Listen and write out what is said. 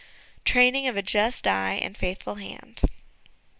Training of a Just Eye and Faithful Hand.